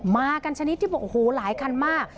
มากันชนิดที่บอกโอ้โหหลายคันมาก